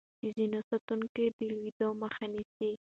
د زينو ساتونکي د لوېدو مخه نيسي.